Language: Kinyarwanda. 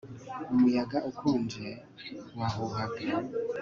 Umuyaga ukonje wahuhaga